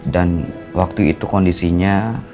dan waktu itu kondisinya